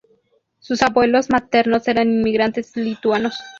Sus abuelos maternos eran inmigrantes lituanos.